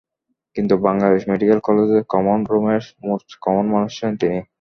কিন্তু বাংলাদেশ মেডিকেল কলেজের কমন রুমের মোস্ট কমন মানুষ ছিলেন তিনি।